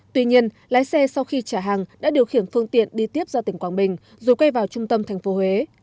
tuy nhiên lái xe sau khi trả hàng đã điều khiển phương tiện đi tiếp ra tỉnh quảng bình rồi quay vào trung tâm tp huế